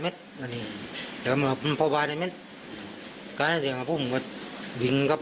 มันเป็นคนขวาหนังเช้ากับแมงเนี่ยด้วย